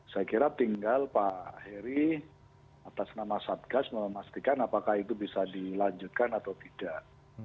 saya kira tinggal pak heri atas nama satgas memastikan apakah itu bisa dilanjutkan atau tidak